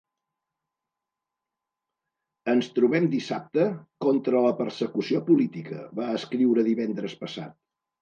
Ens trobem dissabte, contra la persecució política, va escriure divendres passat.